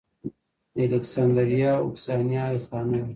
د الکسندریه اوکسیانا ای خانم و